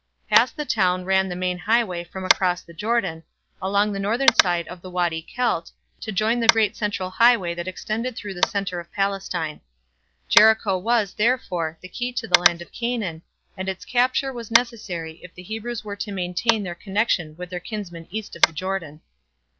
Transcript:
Past the town ran the main highway from across the Jordan, along the northern side of the Wady Kelt, to join the great central highway that extended through the centre of Palestine. Jericho was, therefore, the key to the land of Canaan, and its capture was necessary if the Hebrews were to maintain their connection with their kinsmen east of the Jordan.